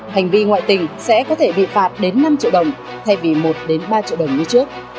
hành vi ngoại tình sẽ có thể bị phạt đến năm triệu đồng thay vì một ba triệu đồng như trước